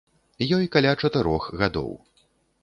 Ёй каля чатырох гадоў.